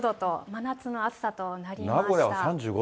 真夏の暑さとなりました。